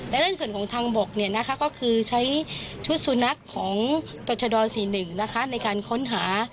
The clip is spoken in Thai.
และในส่วนของทางบกเนี่ยนะคะก็คือใช้ชุดสุนัขของตรชดร๔๑นะคะในการค้นหา